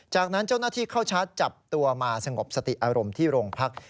จากนั้นเจ้าหน้าที่เข้าชาร์จจับตัวมาสงบสติอารมณ์ที่โรงพัก